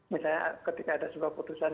misalnya ketika ada sebuah putusan